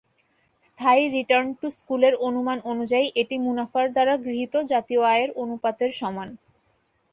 স্থায়ী return to স্কেলের অনুমান অনুযায়ী এটি মুনাফার দ্বারা গৃহীত জাতীয় আয়ের অনুপাতের সমান।